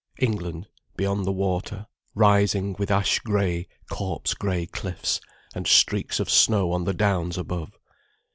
England, beyond the water, rising with ash grey, corpse grey cliffs, and streaks of snow on the downs above.